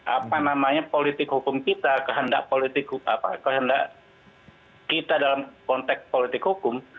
apa namanya politik hukum kita kehendak politik kita dalam konteks politik hukum